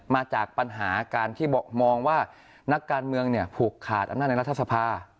มาจากปัญหาการที่มองว่านักการเมืองเนี่ยผูกขาดอำนาจในรัฐสภา